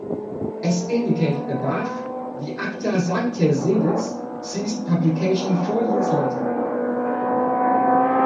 As indicated above, the "Acta Sanctae Sedis" ceased publication four years later.